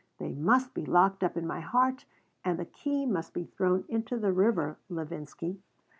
They must be locked up in my heart and the key must be thrown into the river, Levinsky.